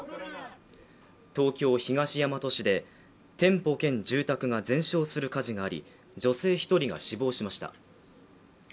東京・東大和市で店舗兼住宅が全焼する火事があり女性１人が死亡しました。